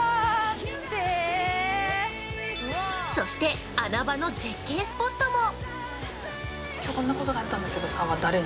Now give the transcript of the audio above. そして、穴場の絶景スポットも！